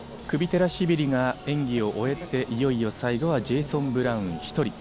クビテラシビリが演技を終えて、いよいよ最後はジェイソン・ブラウン１人。